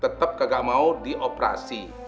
tetep kagak mau dioperasi